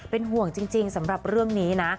เป็นห่วงจริงสำหรับเรื่องนี้นะ